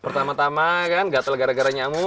pertama tama kan gatel gara gara nyamuk